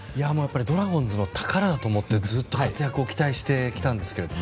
ドラゴンズの宝だと思って活躍を期待していたんですが